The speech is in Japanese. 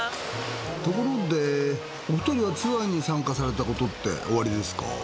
ところでお二人はツアーに参加されたことっておありですか？